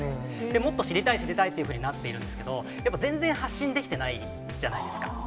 もっと知りたい、知りたいっていうふうになっているんですけど、やっぱ全然、発信できてないじゃないですか。